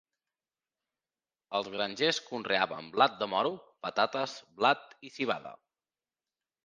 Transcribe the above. Els grangers conreaven blat de moro, patates, blat i civada.